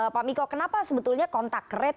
pak miko kenapa sebetulnya kontak rate